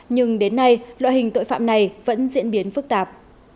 nhưng đến nay loại hình tội phạm này vẫn diễn biến phức tạp